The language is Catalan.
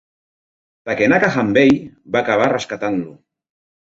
Takenaka Hanbei va acabar rescatant-lo.